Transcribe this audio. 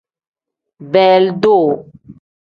Beelidu.